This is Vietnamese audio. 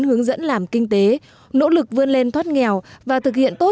hướng dẫn làm kinh tế nỗ lực vươn lên thoát nghèo và thực hiện tốt